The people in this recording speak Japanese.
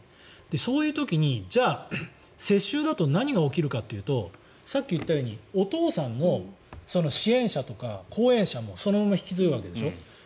そういう時に、じゃあ世襲だと何が起きるかというとさっき言ったようにお父さんの支援者とか後援者もそのまま引き継ぐわけでしょ。